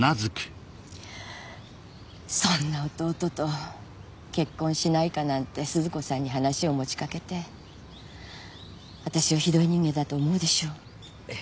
そんな弟と結婚しないかなんて鈴子さんに話を持ちかけて私をひどい人間だと思うでしょうええ